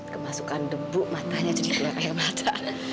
kemasukan debu matanya jadi kayak mata